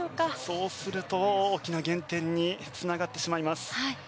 そうすると大きな減点につながってしまいます。